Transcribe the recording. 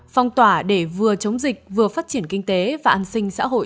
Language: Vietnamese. phong tỏa để vừa chống dịch vừa phát triển kinh tế và an sinh xã hội